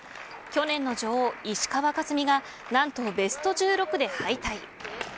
去年の女王、石川佳純が何とベスト１６で敗退。